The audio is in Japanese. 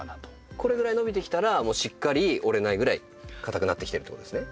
これぐらい伸びてきたらしっかり折れないぐらい硬くなってきてるってことですね。